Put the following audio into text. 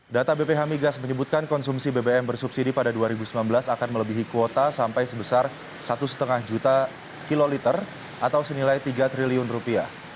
data bph migas menyebutkan konsumsi bbm bersubsidi pada dua ribu sembilan belas akan melebihi kuota sampai sebesar satu lima juta kiloliter atau senilai tiga triliun rupiah